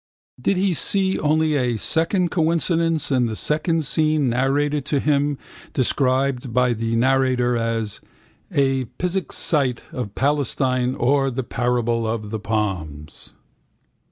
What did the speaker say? Did he see only a second coincidence in the second scene narrated to him, described by the narrator as A Pisgah Sight of Palestine or The Parable of the Plums?